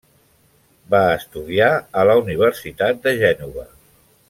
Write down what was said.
Va estudiar a la Universitat de Gènova.